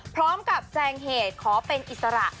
พร้อมกับแจงเหตุขอเป็นอิสระ